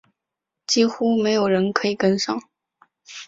几乎没有人可以跟上